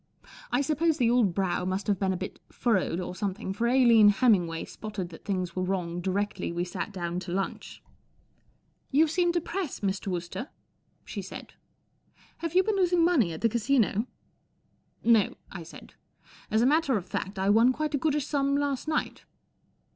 I suppose the old brow must have been a bit furrowed or something, for Aline Hemmingway spotted that things were wrong directly we sat down to lunch. " You seem depressed, Mr. Wooster," she said. " Have you been losing money at the Casino ?"' No," I said. "As a matter of fact, I won quite a goodish sum last night."